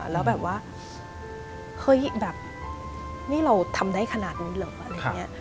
แล้วแบบว่าเฮ้ยแบบนี่เราทำได้ขนาดนี้เหรออะไรอย่างนี้